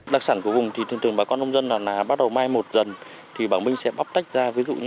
đặc sản của vùng thì thường thường bà con nông dân là bắt đầu mai một dần thì bà minh sẽ bóc tách ra